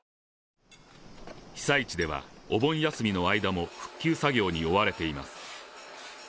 被災地では、お盆休みの間も復旧作業に追われています。